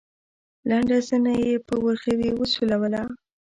لنډه زنه يې په ورغوي وسولوله.